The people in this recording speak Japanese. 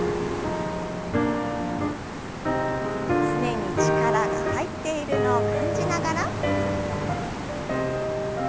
すねに力が入っているのを感じながら。